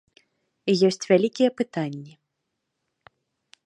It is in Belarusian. І ёсць вялікія пытанні.